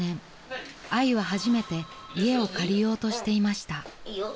［あいは初めて家を借りようとしていました］